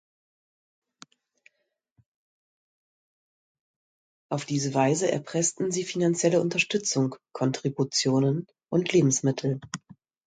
Auf diese Weise erpressten sie finanzielle Unterstützung (Kontributionen) und Lebensmittel.